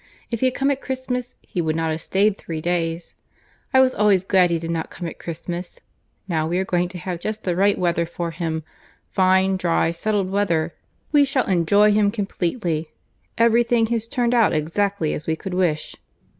If he had come at Christmas he could not have staid three days; I was always glad he did not come at Christmas; now we are going to have just the right weather for him, fine, dry, settled weather. We shall enjoy him completely; every thing has turned out exactly as we could wish."